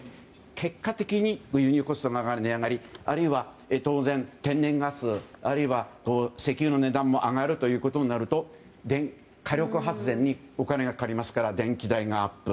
結果的に輸入コストの値上がりあるいは当然、天然ガスあるいは石油の値段も上がるということになると火力発電にお金がかかりますから電気代がアップ。